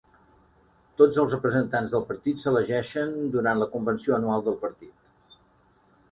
Tots els representants del partit s'elegeixen durant la convenció anual del partit.